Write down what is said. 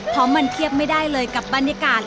เพราะมันเทียบไม่ได้เลยกับบรรยากาศ